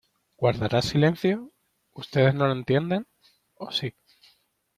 ¿ Guardarás silencio? ¿ ustedes no lo entienden, o si ?